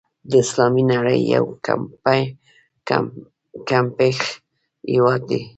د اسلامي نړۍ یو کمپېښ هېواد دی.